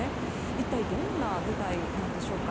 一体どんな部隊なんでしょうか。